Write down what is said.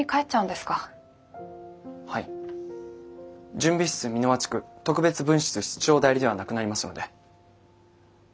準備室美ノ和地区特別分室室長代理ではなくなりますので。